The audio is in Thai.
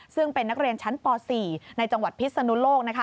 ซึ่งเป็นนักเรียนชั้นป๔ในจังหวัดพิศนุโลก